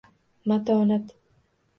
Matonat.